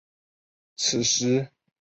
此时日本加紧了对朝鲜的渗透和控制。